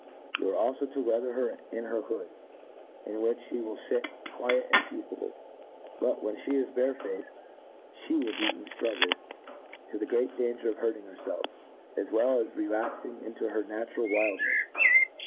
You are alfo to weather her in her hood, in which fhe will fit quiet and peaceable j biljt, wh'en Ihe is bard faced, (he will beat and ftruggle, to the great danger of hurting herfclf, as well as of relapfing into her natural wildnefs.